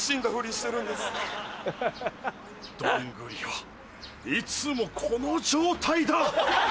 どんぐりはいつもこの状態だ！